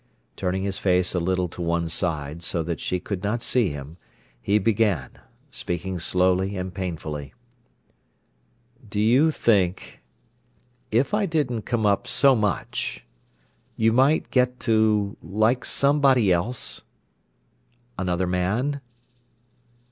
Turning his face a little to one side, so that she could not see him, he began, speaking slowly and painfully: "Do you think—if I didn't come up so much—you might get to like somebody else—another man?"